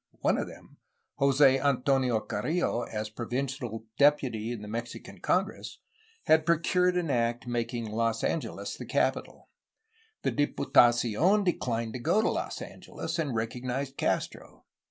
One of them, Jose Antonio Carrillo, as provincial deputy in the Mexican congress, had procured an act making Los Angeles the capital. The Diputacion declined to go to Los Angeles, and recognized Castro.